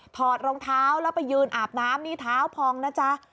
ถอดรองเท้าแล้วไปยืนอาบน้ำนี่เท้าพองนะจ๊ะ